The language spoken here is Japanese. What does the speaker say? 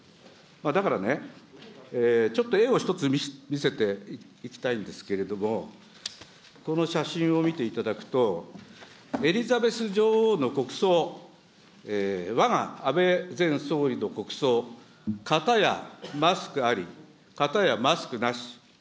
だからね、ちょっと絵を１つ、見せていきたいんですけれども、この写真を見ていただくと、エリザベス女王の国葬、わが安倍前総理の国葬、片やマスクあり、片やマスクなし。